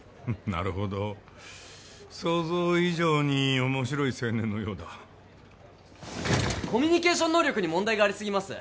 なるほど想像以上に面白い青年のようだコミュニケーション能力に問題がありすぎます